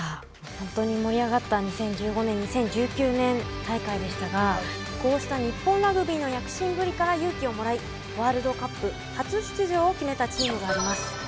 本当に盛り上がった２０１５年２０１９年大会でしたがこうした日本ラグビーの躍進ぶりから勇気をもらいワールドカップ初出場を決めたチームがあります。